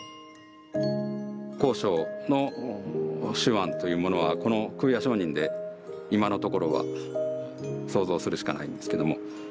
康勝の手腕というものはこの「空也上人」で今のところは想像するしかないんですけども。